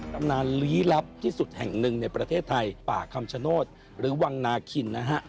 ตำนานลี้ลับที่สุดแห่งหนึ่งในประเทศไทยป่าคำชโนธหรือวังนาคินนะฮะ